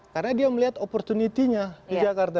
karena dia melihat opportunity nya di jakarta